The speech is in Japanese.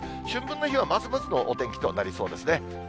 春分の日はまずまずのお天気となりそうですね。